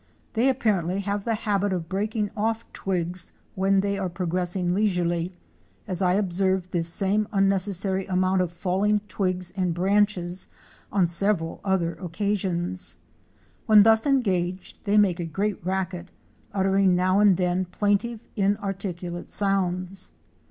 They apparently have the habit of breaking off twigs when they are progressing leisurely, as I observed this same unnecessary amount of falling twigs and branches on several other occasions. When thus engaged they make a great racket, uttering now and then plaintive, inarticulate sounds.